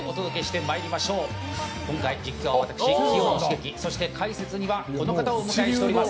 今回、実況は私、清野茂樹そして解説にはこの方をお迎えしております。